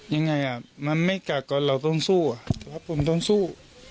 ยังไงอ่ะมันไม่กัดก่อนเราต้องสู้เพราะผมต้องสู้